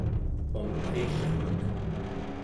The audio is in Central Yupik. Mamterillermek